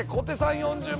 ４０万。